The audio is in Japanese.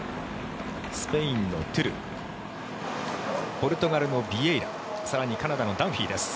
スペインのトゥルポルトガルのビエイラ更にカナダのダンフィーです。